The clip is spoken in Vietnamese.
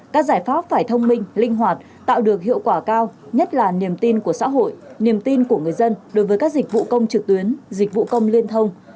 các giải pháp phải thông minh linh hoạt tạo được hiệu quả cao nhất là niềm tin của xã hội niềm tin của người dân đối với các dịch vụ công trực tuyến dịch vụ công liên thông